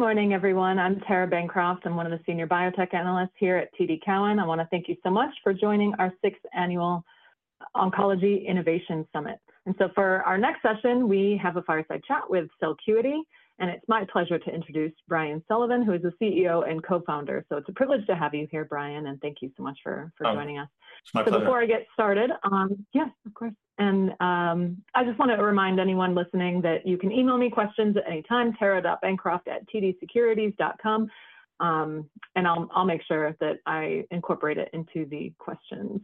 Good morning, everyone. I'm Tara Bancroft. I'm one of the senior biotech analysts here at TD Cowen. I want to thank you so much for joining our Sixth Annual Oncology Innovation Summit. For our next session, we have a fireside chat with Celcuity, and it's my pleasure to introduce Brian Sullivan, who is the CEO and co-founder. It's a privilege to have you here, Brian, and thank you so much for joining us. It's my pleasure. Before I get started, yes, of course. I just want to remind anyone listening that you can email me questions at any time, tara.bancroft@tdsecurities.com, and I'll make sure that I incorporate it into the questions.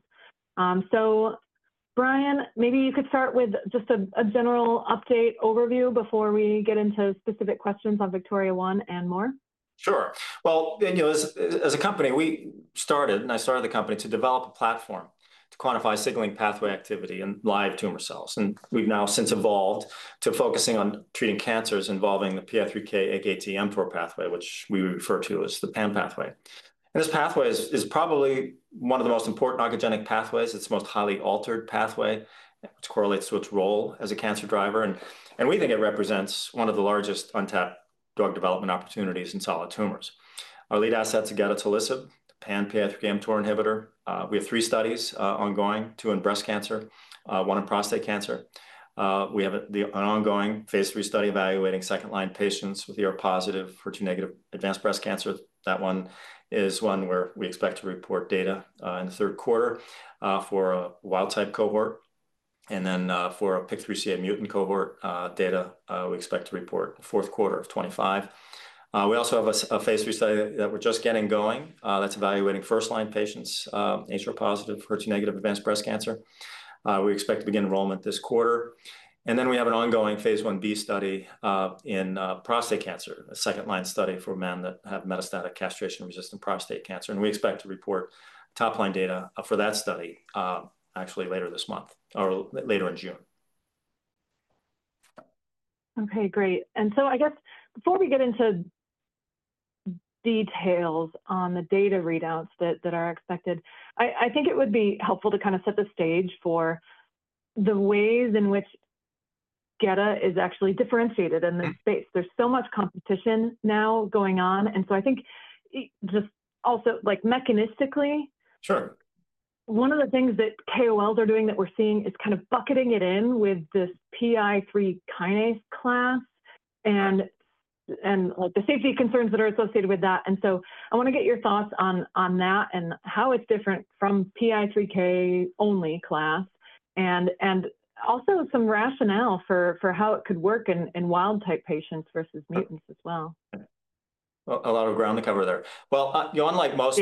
Brian, maybe you could start with just a general update overview before we get into specific questions on VIKTORIA-1 and more. Sure. As a company, we started, and I started the company, to develop a platform to quantify signaling pathway activity in live tumor cells. We have now since evolved to focusing on treating cancers involving the PI3K/AKT/mTOR pathway, which we refer to as the PAM pathway. This pathway is probably one of the most important oncogenic pathways. It is the most highly altered pathway, which correlates with role as a cancer driver. We think it represents one of the largest untapped drug development opportunities in solid tumors. Our lead assets are gedatolisib, PAM, PI3K/mTOR inhibitor. We have three studies ongoing: two in breast cancer, one in prostate cancer. We have an ongoing phase III study evaluating second-line patients with HR-positive/HER2-negative advanced breast cancer. That one is one where we expect to report data in the third quarter for a wild-type cohort. For a PIK3CA mutant cohort, data we expect to report in the fourth quarter of 2025. We also have a phase III study that we're just getting going that's evaluating first-line patients, HR positive, HER2 negative advanced breast cancer. We expect to begin enrollment this quarter. We have an ongoing phase one B study in prostate cancer, a second-line study for men that have metastatic castration-resistant prostate cancer. We expect to report top-line data for that study actually later this month or later in June. Okay, great. I guess before we get into details on the data readouts that are expected, I think it would be helpful to kind of set the stage for the ways in which gedatolisib is actually differentiated in this space. There is so much competition now going on. I think just also mechanistically. Sure. One of the things that KOLs are doing that we're seeing is kind of bucketing it in with this PI3K class and the safety concerns that are associated with that. I want to get your thoughts on that and how it's different from PI3K only class and also some rationale for how it could work in wild-type patients versus mutants as well. A lot of ground to cover there. Unlike most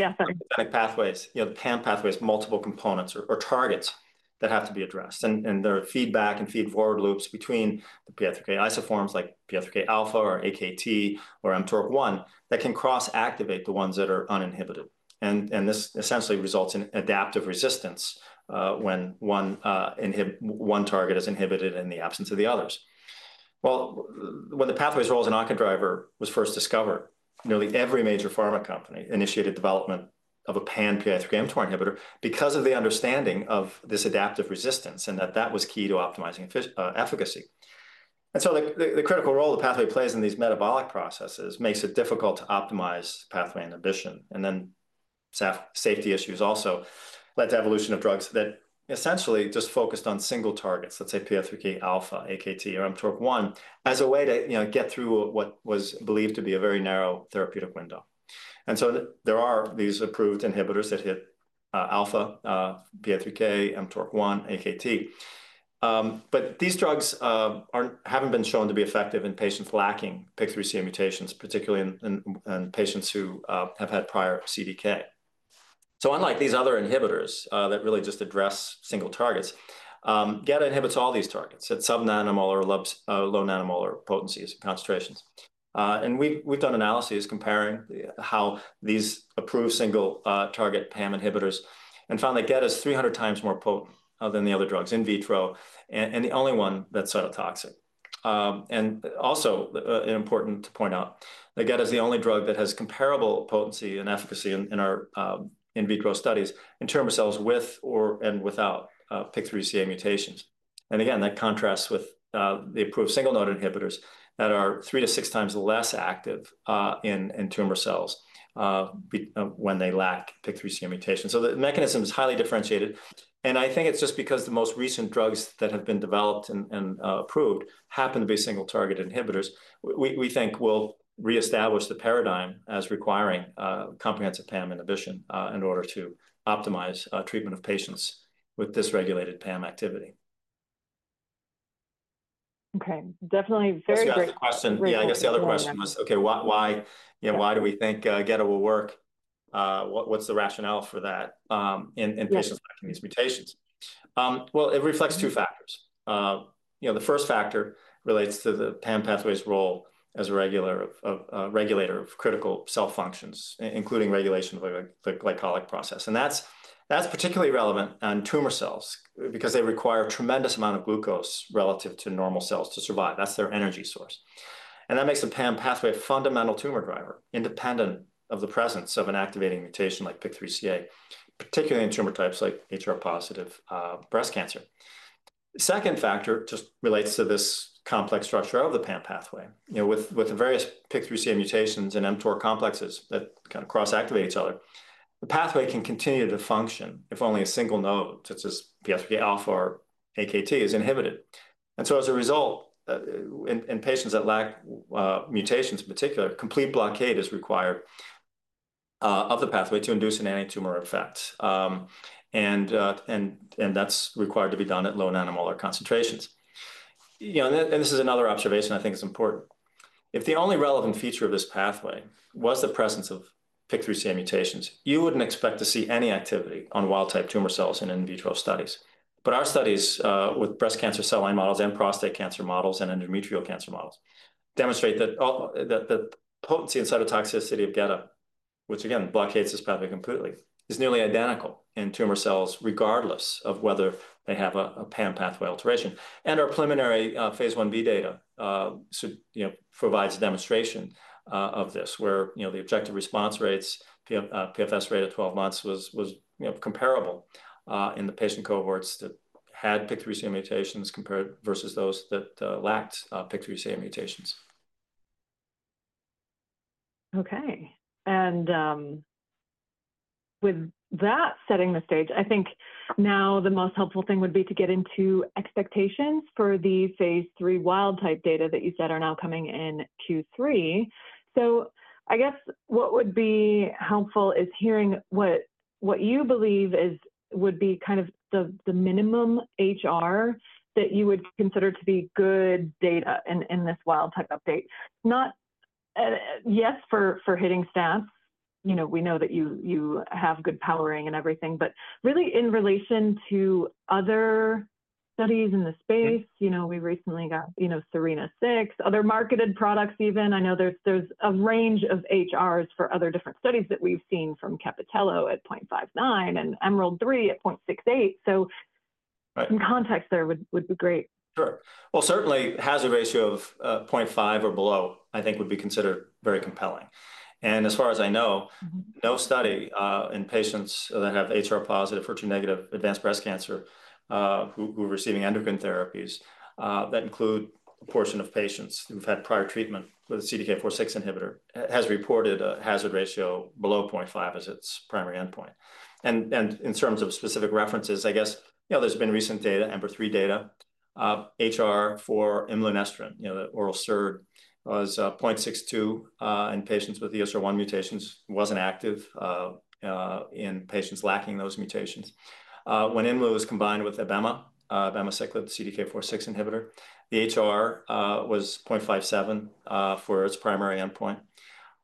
pathways, the PAM pathway has multiple components or targets that have to be addressed. There are feedback and feed-forward loops between the PI3K isoforms like PI3Kα or AKT or MTORC1 that can cross-activate the ones that are uninhibited. This essentially results in adaptive resistance when one target is inhibited in the absence of the others. When the pathway's role as an oncodriver was first discovered, nearly every major pharma company initiated development of a PAM PI3K/MTOR inhibitor because of the understanding of this adaptive resistance and that that was key to optimizing efficacy. The critical role the pathway plays in these metabolic processes makes it difficult to optimize pathway inhibition. Safety issues also led to the evolution of drugs that essentially just focused on single targets, let's say PI3Kα, AKT, or mTORC1 as a way to get through what was believed to be a very narrow therapeutic window. There are these approved inhibitors that hit alpha, PI3K, mTORC1, AKT. These drugs have not been shown to be effective in patients lacking PIK3CA mutations, particularly in patients who have had prior CDK4/6. Unlike these other inhibitors that really just address single targets, gedatolisib inhibits all these targets at sub-nanomolar or low-nanomolar potencies, concentrations. We have done analyses comparing how these approved single-target PAM inhibitors perform and found that gedatolisib is 300x more potent than the other drugs in vitro and the only one that is cytotoxic. is also important to point out that gedatolisib is the only drug that has comparable potency and efficacy in our in vitro studies in tumor cells with or without PIK3CA mutations. Again, that contrasts with the approved single-node inhibitors that are three to six times less active in tumor cells when they lack PIK3CA mutations. The mechanism is highly differentiated. I think it is just because the most recent drugs that have been developed and approved happen to be single-target inhibitors. We think we will reestablish the paradigm as requiring comprehensive PAM inhibition in order to optimize treatment of patients with dysregulated PAM activity. Okay. Definitely very great. I guess the question was, okay, why do we think gedatolisib will work? What's the rationale for that in patients with these mutations? It reflects two factors. The first factor relates to the PAM pathway's role as a regulator of critical cell functions, including regulation of the glycolytic process. That's particularly relevant in tumor cells because they require a tremendous amount of glucose relative to normal cells to survive. That's their energy source. That makes the PAM pathway a fundamental tumor driver independent of the presence of an activating mutation like PIK3CA, particularly in tumor types like HR-positive breast cancer. The second factor just relates to this complex structure of the PAM pathway. With the various PIK3CA mutations and mTOR complexes that kind of cross-activate each other, the pathway can continue to function if only a single node, such as PI3K alpha or AKT, is inhibited. As a result, in patients that lack mutations, in particular, complete blockade is required of the pathway to induce an antitumor effect. That is required to be done at low-nanomolar concentrations. This is another observation I think is important. If the only relevant feature of this pathway was the presence of PIK3CA mutations, you would not expect to see any activity on wild-type tumor cells in In vitro studies. Our studies with breast cancer cell line models and prostate cancer models and endometrial cancer models demonstrate that potency and cytotoxicity of gedatolisib, which again blockades this pathway completely, is nearly identical in tumor cells regardless of whether they have a PAM pathway alteration. Our preliminary phase one B data provides a demonstration of this where the objective response rates, PFS rate at 12 months was comparable in the patient cohorts that had PIK3CA mutations versus those that lacked PIK3CA mutations. Okay. With that setting the stage, I think now the most helpful thing would be to get into expectations for the phase three wild-type data that you said are now coming in Q3. I guess what would be helpful is hearing what you believe would be kind of the minimum HR that you would consider to be good data in this wild-type update. Not yes for hitting stats. We know that you have good powering and everything, but really in relation to other studies in the space. We recently got Serena 6, other marketed products even. I know there's a range of HRs for other different studies that we've seen from CAPItello at 0.59 and EMERALD 3 at 0.68. Some context there would be great. Sure. Certainly, hazard ratio of 0.5 or below, I think, would be considered very compelling. As far as I know, no study in patients that have HR-positive, HER2-negative advanced breast cancer who are receiving endocrine therapies that include a portion of patients who've had prior treatment with CDK4/6 inhibitor has reported a hazard ratio below 0.5 as its primary endpoint. In terms of specific references, I guess there's been recent data, EMBER-3 data, HR for Imlunestrant, the oral SERD, was 0.62 in patients with ESR1 mutations, was not active in patients lacking those mutations. When Imlunestrant was combined with abemaciclib, CDK4/6 inhibitor, the HR was 0.57 for its primary endpoint.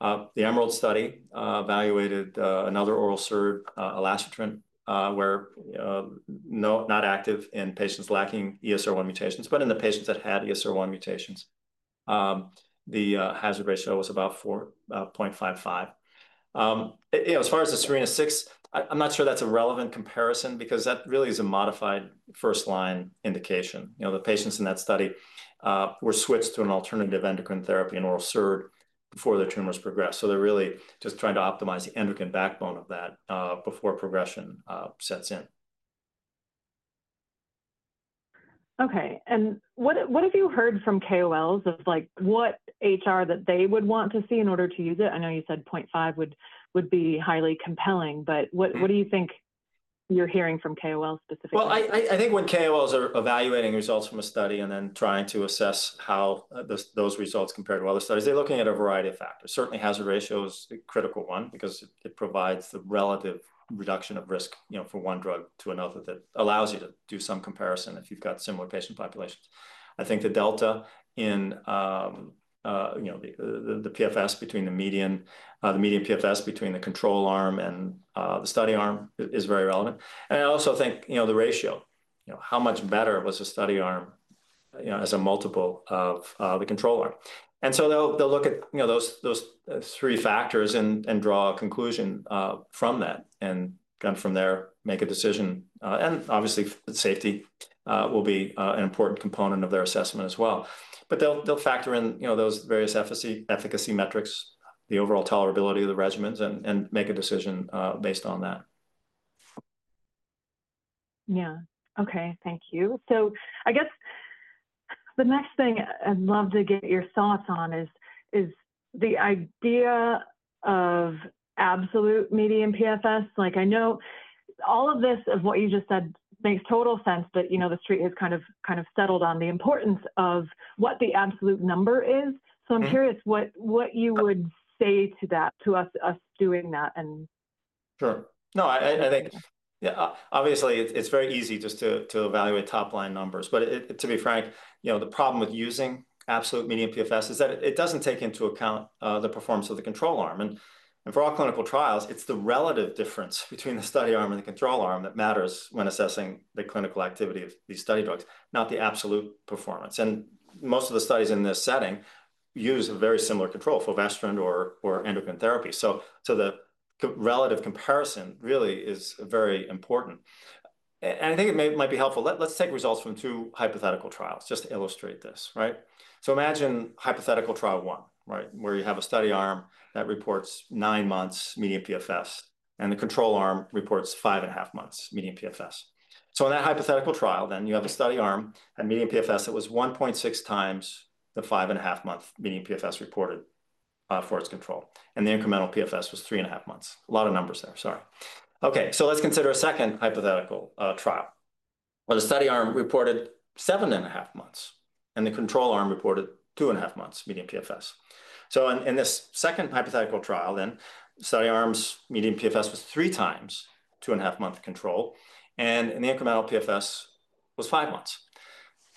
The EMERALD study evaluated another oral SERD, elacestrant, which was not active in patients lacking ESR1 mutations, but in the patients that had ESR1 mutations, the hazard ratio was about 4.55. As far as the Serena 6, I'm not sure that's a relevant comparison because that really is a modified first-line indication. The patients in that study were switched to an alternative endocrine therapy and oral steroid before their tumors progressed. They are really just trying to optimize the endocrine backbone of that before progression sets in. Okay. What have you heard from KOLs of what HR that they would want to see in order to use it? I know you said 0.5 would be highly compelling, but what do you think you're hearing from KOLs specifically? I think when KOLs are evaluating results from a study and then trying to assess how those results compare to other studies, they're looking at a variety of factors. Certainly, hazard ratio is a critical one because it provides the relative reduction of risk for one drug to another that allows you to do some comparison if you've got similar patient populations. I think the delta in the PFS between the median PFS between the control arm and the study arm is very relevant. I also think the ratio, how much better was the study arm as a multiple of the control arm? They'll look at those three factors and draw a conclusion from that and from there make a decision. Obviously, safety will be an important component of their assessment as well. They'll factor in those various efficacy metrics, the overall tolerability of the regimens, and make a decision based on that. Yeah. Okay. Thank you. I guess the next thing I'd love to get your thoughts on is the idea of absolute median PFS. I know all of this of what you just said makes total sense, but the street has kind of settled on the importance of what the absolute number is. I'm curious what you would say to that, to us doing that. Sure. No, I think obviously it's very easy just to evaluate top-line numbers. To be frank, the problem with using absolute median PFS is that it doesn't take into account the performance of the control arm. For all clinical trials, it's the relative difference between the study arm and the control arm that matters when assessing the clinical activity of these study drugs, not the absolute performance. Most of the studies in this setting use a very similar control, fulvestrant or endocrine therapy. The relative comparison really is very important. I think it might be helpful. Let's take results from two hypothetical trials just to illustrate this. Imagine hypothetical trial one, where you have a study arm that reports nine months median PFS and the control arm reports five and a half months median PFS. In that hypothetical trial, then you have a study arm and median PFS that was 1.6x the five and a half month median PFS reported for its control. The incremental PFS was three and a half months. A lot of numbers there. Sorry. Okay. Let's consider a second hypothetical trial where the study arm reported seven and a half months and the control arm reported two and a half months median PFS. In this second hypothetical trial, then study arm's median PFS was 3x two and a half month control, and the incremental PFS was five months.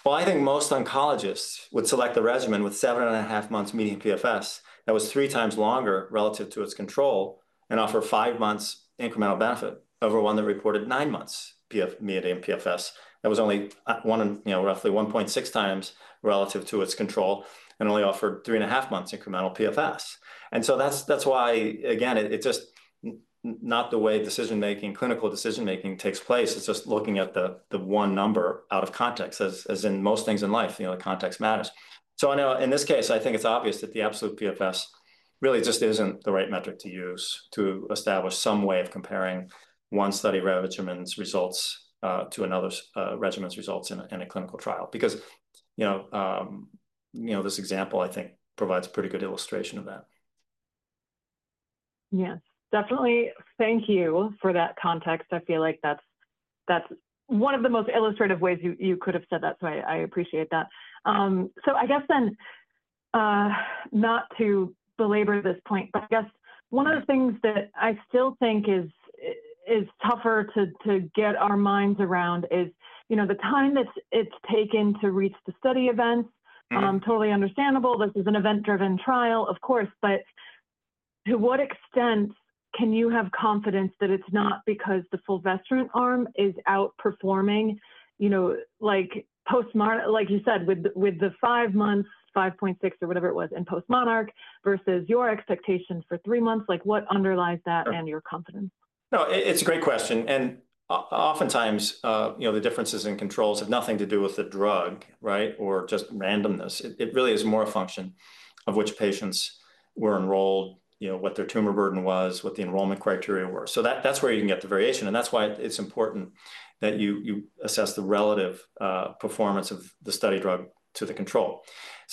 I think most oncologists would select a regimen with seven and a half months median PFS that was three times longer relative to its control and offer five months incremental benefit over one that reported nine months median PFS that was only roughly 1.6x relative to its control and only offered three and a half months incremental PFS. That is why, again, it is just not the way clinical decision-making takes place. It is just looking at the one number out of context, as in most things in life, context matters. In this case, I think it is obvious that the absolute PFS really just is not the right metric to use to establish some way of comparing one study regimen's results to another regimen's results in a clinical trial because this example, I think, provides a pretty good illustration of that. Yeah. Definitely. Thank you for that context. I feel like that's one of the most illustrative ways you could have said that. I appreciate that. I guess then not to belabor this point, but I guess one of the things that I still think is tougher to get our minds around is the time that it's taken to reach the study event. Totally understandable. This is an event-driven trial, of course, but to what extent can you have confidence that it's not because the fulvestrant arm is outperforming? Like you said, with the five months, 5.6 or whatever it was in postMONARCH versus your expectation for three months, what underlies that and your confidence? No, it's a great question. Oftentimes, the differences in controls have nothing to do with the drug or just randomness. It really is more a function of which patients were enrolled, what their tumor burden was, what the enrollment criteria were. That's where you can get the variation. That's why it's important that you assess the relative performance of the study drug to the control.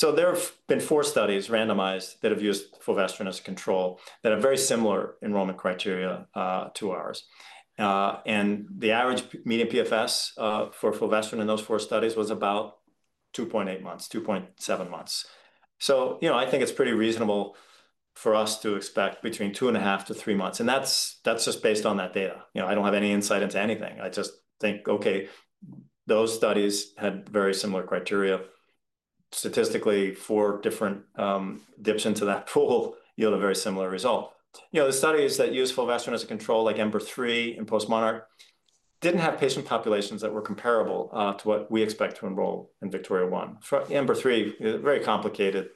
There have been four studies randomized that have used fulvestrant as a control that have very similar enrollment criteria to ours. The average median PFS for fulvestrant in those four studies was about 2.8 months, 2.7 months. I think it's pretty reasonable for us to expect between two and a half to three months. That's just based on that data. I don't have any insight into anything. I just think, okay, those studies had very similar criteria. Statistically, four different dips into that pool yield a very similar result. The studies that used fulvestrant as a control, like EMBER-3 and postMONARCH, did not have patient populations that were comparable to what we expect to enroll in VIKTORIA-1. EMBER-3 is a very complicated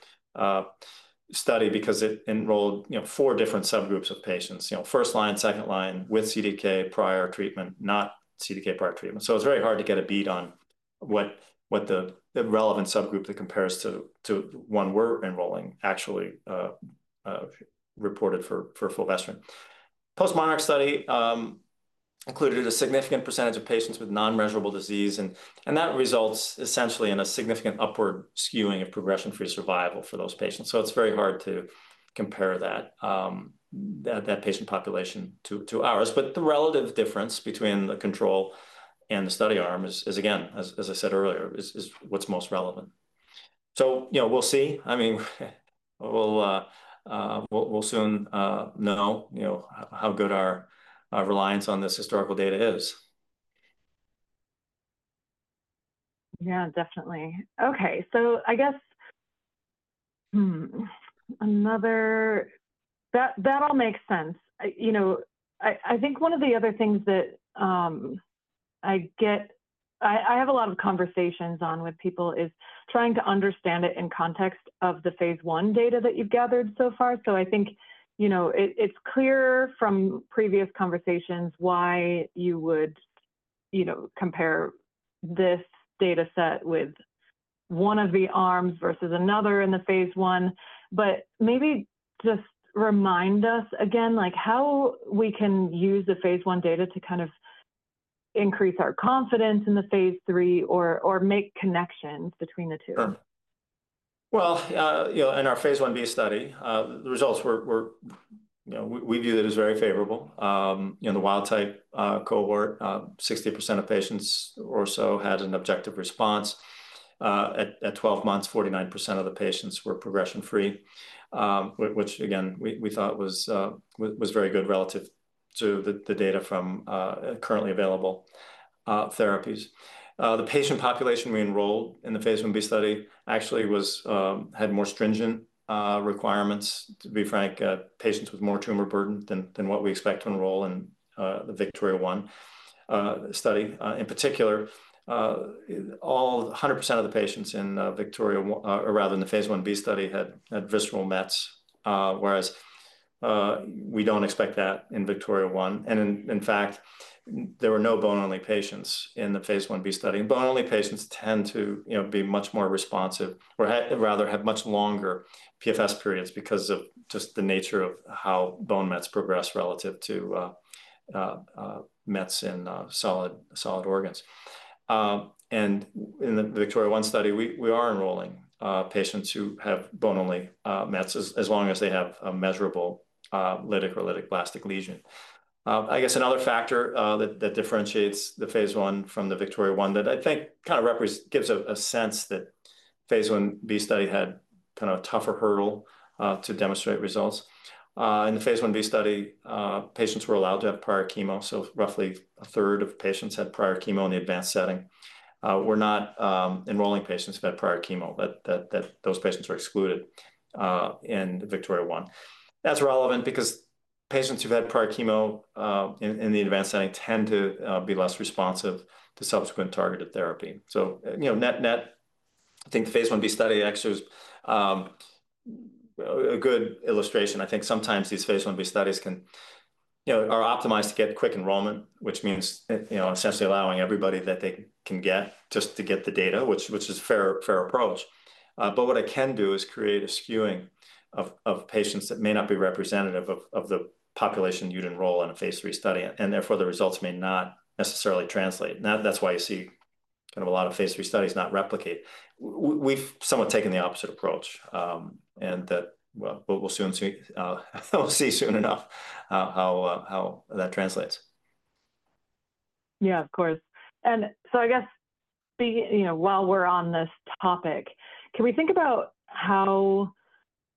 study because it enrolled four different subgroups of patients, first line, second line with CDK prior treatment, not CDK prior treatment. It is very hard to get a beat on what the relevant subgroup that compares to one we are enrolling actually reported for fulvestrant. postMONARCH study included a significant percentage of patients with non-measurable disease, and that results essentially in a significant upward skewing of progression-free survival for those patients. It is very hard to compare that patient population to ours. The relative difference between the control and the study arm is, again, as I said earlier, what is most relevant. We will see. I mean, we'll soon know how good our reliance on this historical data is. Yeah, definitely. Okay. I guess that all makes sense. I think one of the other things that I have a lot of conversations on with people is trying to understand it in context of the phase I data that you've gathered so far. I think it's clear from previous conversations why you would compare this dataset with one of the arms versus another in the phase I. Maybe just remind us again how we can use the phase one data to kind of increase our confidence in the phase III or make connections between the two. In our phase I-B study, the results we viewed as very favorable. In the wild-type cohort, 60% of patients or so had an objective response. At 12 months, 49% of the patients were progression-free, which, again, we thought was very good relative to the data from currently available therapies. The patient population we enrolled in the phase I-B study actually had more stringent requirements. To be frank, patients with more tumor burden than what we expect to enroll in the VIKTORIA-1 study. In particular, all 100% of the patients in the phase I-B study had visceral mets, whereas we do not expect that in VIKTORIA-1. In fact, there were no bone-only patients in the phase one B study. Bone-only patients tend to be much more responsive or rather have much longer PFS periods because of just the nature of how bone mets progress relative to mets in solid organs. In the VIKTORIA-1 study, we are enrolling patients who have bone-only mets as long as they have a measurable lytic or lytic blastic lesion. I guess another factor that differentiates the phase-I from the VIKTORIA-1 that I think kind of gives a sense that phase I-Bstudy had kind of a tougher hurdle to demonstrate results. In the phase 1b study, patients were allowed to have prior chemo. Roughly a third of patients had prior chemo in the advanced setting. We're not enrolling patients who've had prior chemo, but those patients were excluded in the VIKTORIA-1. That's relevant because patients who've had prior chemo in the advanced setting tend to be less responsive to subsequent targeted therapy. I think the phase I-B study actually is a good illustration. I think sometimes these phase I-B studies are optimized to get quick enrollment, which means essentially allowing everybody that they can get just to get the data, which is a fair approach. What that can do is create a skewing of patients that may not be representative of the population you'd enroll in a phase III study, and therefore the results may not necessarily translate. That's why you see kind of a lot of phase III studies not replicate. We've somewhat taken the opposite approach, but we'll see soon enough how that translates. Yeah, of course. I guess while we're on this topic, can we think about how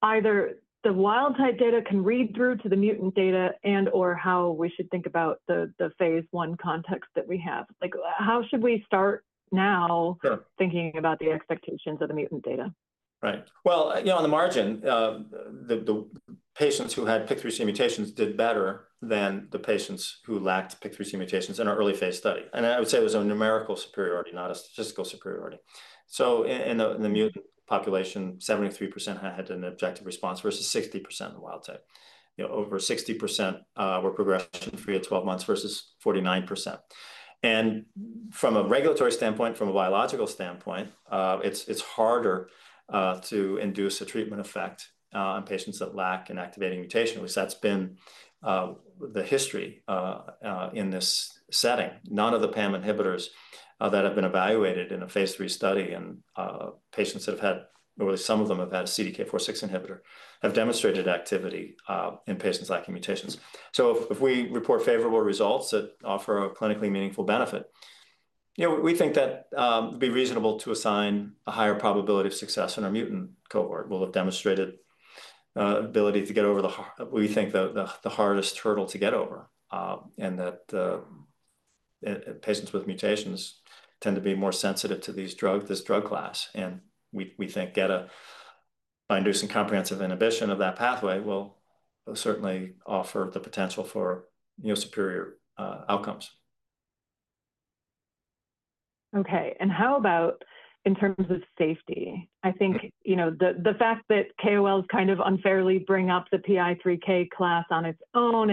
either the wild-type data can read through to the mutant data and/or how we should think about the phase one context that we have? How should we start now thinking about the expectations of the mutant data? Right. On the margin, the patients who had PIK3CA mutations did better than the patients who lacked PIK3CA mutations in our early phase study. I would say there's a numerical superiority, not a statistical superiority. In the mutant population, 73% had an objective response versus 60% in the wild-type. Over 60% were progression-free at 12 months versus 49%. From a regulatory standpoint, from a biological standpoint, it's harder to induce a treatment effect on patients that lack an activating mutation, which has been the history in this setting. None of the PAM inhibitors that have been evaluated in a phase III study in patients that have had, or at least some of them have had, a CDK4/6 inhibitor, have demonstrated activity in patients lacking mutations. If we report favorable results that offer a clinically meaningful benefit, we think that it would be reasonable to assign a higher probability of success in our mutant cohort. We'll have demonstrated ability to get over the, we think, the hardest hurdle to get over and that patients with mutations tend to be more sensitive to this drug class. We think by inducing comprehensive inhibition of that pathway will certainly offer the potential for superior outcomes. Okay. How about in terms of safety? I think the fact that KOLs kind of unfairly bring up the PI3K class on its own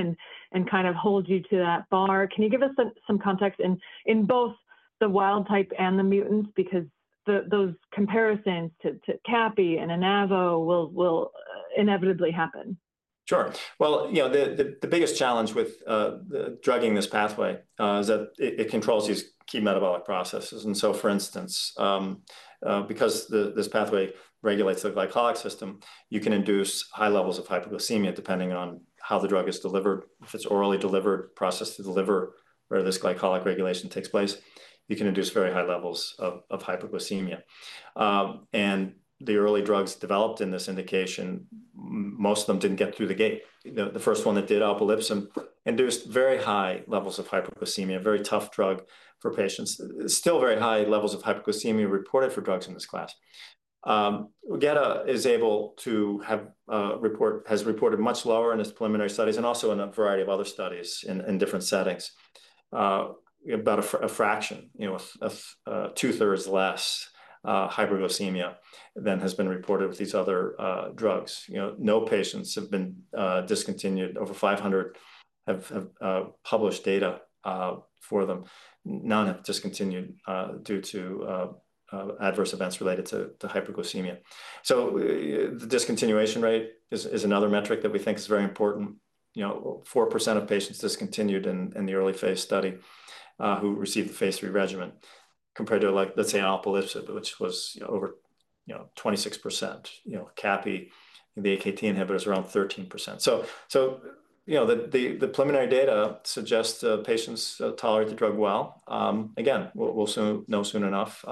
and kind of hold you to that bar, can you give us some context in both the wild-type and the mutants? Because those comparisons to CAPI and ANOVA will inevitably happen. Sure. The biggest challenge with drugging this pathway is that it controls these key metabolic processes. For instance, because this pathway regulates the glycolic system, you can induce high levels of hypoglycemia depending on how the drug is delivered, if it's orally delivered, processed to deliver where this glycolic regulation takes place. You can induce very high levels of hypoglycemia. The early drugs developed in this indication, most of them didn't get through the gate. The first one that did, alpelisib, induced very high levels of hypoglycemia, a very tough drug for patients. Still very high levels of hypoglycemia reported for drugs in this class. Gedatolisib is able to have reported much lower in its preliminary studies and also in a variety of other studies in different settings. About a fraction, 2/3's less hypoglycemia than has been reported with these other drugs. No patients have been discontinued. Over 500 have published data for them. None have discontinued due to adverse events related to hypoglycemia. The discontinuation rate is another metric that we think is very important. 4% of patients discontinued in the early phase study who received the phase III regimen compared to, let's say, alpelisib, which was over 26%. Capivasertib, the AKT inhibitors, around 13%. The preliminary data suggests patients tolerate the drug well. Again, we'll know soon enough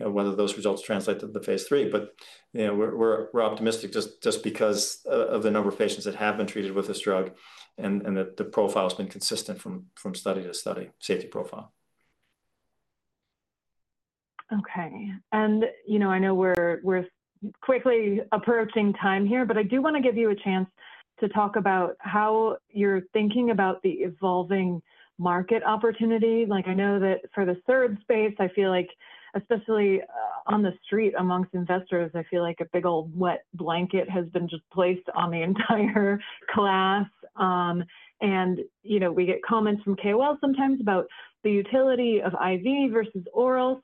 whether those results translate to the phase III, but we're optimistic just because of the number of patients that have been treated with this drug and that the profile has been consistent from study to study, safety profile. Okay. I know we're quickly approaching time here, but I do want to give you a chance to talk about how you're thinking about the evolving market opportunity. I know that for the third space, I feel like especially on the street amongst investors, I feel like a big old wet blanket has been just placed on the entire class. We get comments from KOL sometimes about the utility of IV versus oral.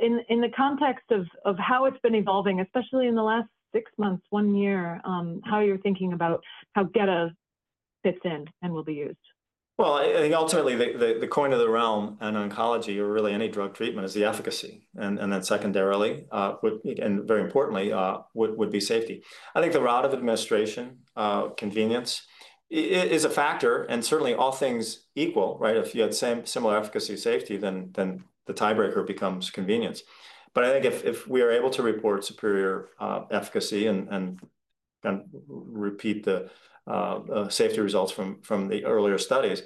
In the context of how it's been evolving, especially in the last six months, one year, how are you thinking about how GETA fits in and will be used? I think ultimately the coin of the realm in oncology or really any drug treatment is the efficacy. And then secondarily, and very importantly, would be safety. I think the route of administration, convenience is a factor. Certainly all things equal, if you had similar efficacy and safety, then the tiebreaker becomes convenience. I think if we are able to report superior efficacy and repeat the safety results from the earlier studies,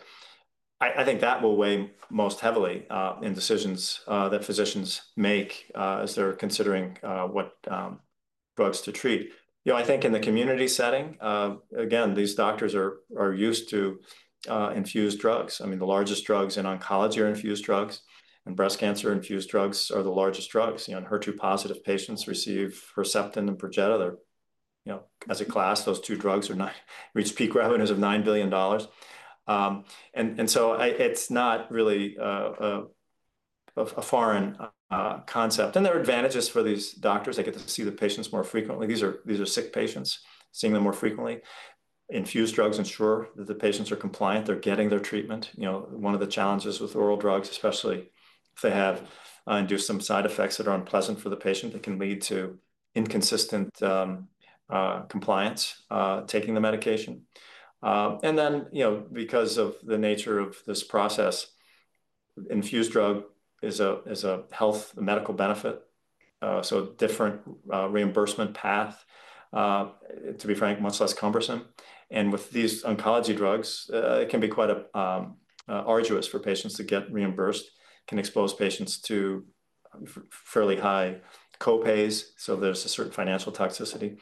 I think that will weigh most heavily in decisions that physicians make as they're considering what drugs to treat. I think in the community setting, again, these doctors are used to infused drugs. I mean, the largest drugs in oncology are infused drugs. And breast cancer infused drugs are the largest drugs. HER2-positive patients receive Herceptin and Perjeta. As a class, those two drugs reach peak revenues of $9 billion. It is not really a foreign concept. There are advantages for these doctors. They get to see the patients more frequently. These are sick patients, seeing them more frequently. Infused drugs ensure that the patients are compliant. They are getting their treatment. One of the challenges with oral drugs, especially if they have induced some side effects that are unpleasant for the patient, that can lead to inconsistent compliance taking the medication. Because of the nature of this process, infused drug is a health medical benefit. Different reimbursement path, to be frank, much less cumbersome. With these oncology drugs, it can be quite arduous for patients to get reimbursed. It can expose patients to fairly high copays. There is a certain financial toxicity.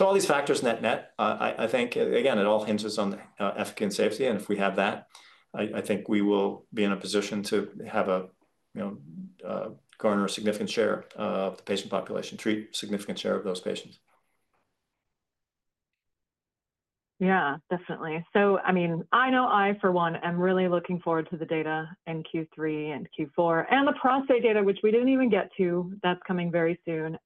All these factors net-net, I think, again, it all hinges on efficacy and safety. If we have that, I think we will be in a position to garner a significant share of the patient population, treat a significant share of those patients. Yeah, definitely. I mean, I know I, for one, am really looking forward to the data in Q3 and Q4 and the prostate data, which we did not even get to. That is coming very soon.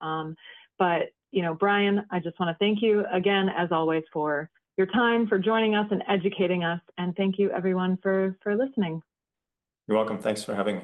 Brian, I just want to thank you again, as always, for your time, for joining us and educating us. Thank you, everyone, for listening. You're welcome. Thanks for having me.